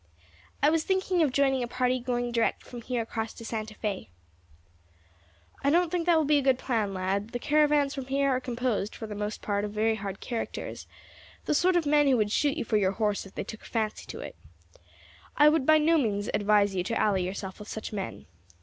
"I was thinking of joining a party going direct from here across to Santa Fé." "I don't think that will be a good plan, lad. The caravans from here are composed, for the most part, of very hard characters, the sort of men who would shoot you for your horse if they took a fancy to it; I would by no means advise you to ally yourself with such men.